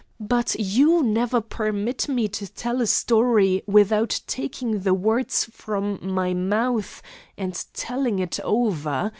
'But you never permit me to tell a story without taking the words from my mouth and telling it over.